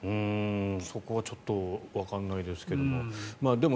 そこはちょっとわからないですけども。